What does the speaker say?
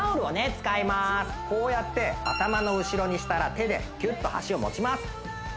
こうやって頭の後ろにしたら手でキュッと端を持ちます